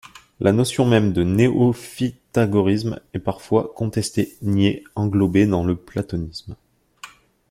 La notion même de néopythagorisme est parfois contestée, niée, englobée dans le platonisme.